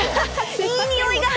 いいにおいが。